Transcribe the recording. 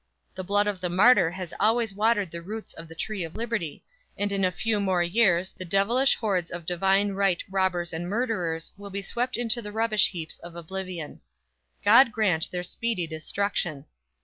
The blood of the martyr has always watered the roots of the tree of Liberty; and in a few more years the devilish hoards of "Divine Right" robbers and murderers will be swept into the rubbish heaps of oblivion. God grant their speedy destruction!